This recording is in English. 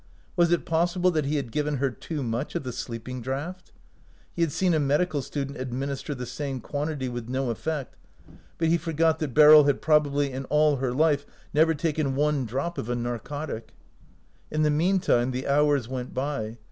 Was it possi ble that he had given her too much of the sleeping draught? He had seen a medical student administer the same quantity with no effect, but he forgot that Beryl had prob ably in all her life never taken one drop of 166 OUT OF BOHEMIA a narcotic. In the mean time the hours went by.